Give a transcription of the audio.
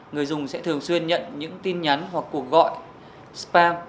người dùng sẽ thường xuyên nhận những tin nhắn hoặc cuộc gọi spam